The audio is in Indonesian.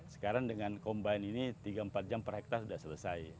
sekarang dengan combine ini tiga empat jam per hektare sudah selesai